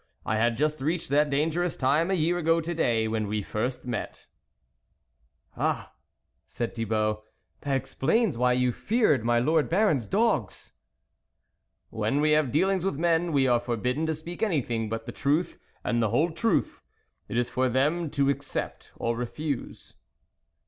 I had just reached that dangerous time a year ago to day, when we first met." " Ah !" said Thibault, " that explains why you feared my Lord Baron's dogs." " When we have dealings with men, we are forbidden to speak anything but the truth, and the whole truth ; it is for them to accept or refuse."